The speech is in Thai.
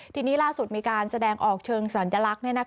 ทีนี้ล่าสุดมีการแสดงออกเชิงสัญลักษณ์